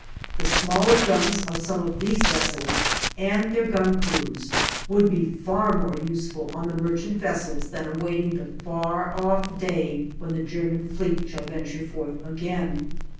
The smaller guns of some of these vessels, and their gun crews, would be far more useful on the merchant vessels than awaiting the far off day when the German fleet shall venture forth again.